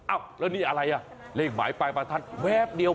อ้าวแล้วนี่อะไรอ่ะเลขหมายปลายประทัดแวบเดียว